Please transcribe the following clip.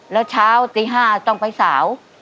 แล้วเช้าตี๕ต้องไปสาว